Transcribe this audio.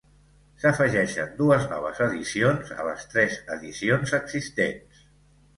S'afegeixen dues noves edicions a les tres edicions existents.